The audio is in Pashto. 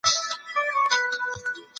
دا اندازه برابره ده.